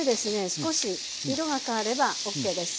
少し色が変わればＯＫです。